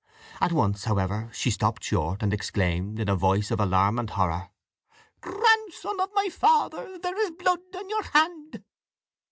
At once, however, she stopped short, and exclaimed, in a voice of alarm and horror: "Grandson of my father, there is blood on your hand."